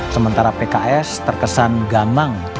sementara pks terkesan gamang